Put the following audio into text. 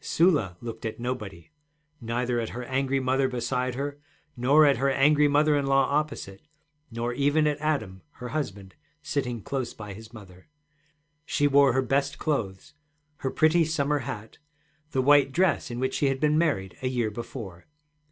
Sula looked at nobody, neither at her angry mother beside her, nor at her angry mother in law opposite, nor even at Adam her husband, sitting close by his mother. She wore her best clothes, her pretty summer hat, the white dress in which she had been married a year before.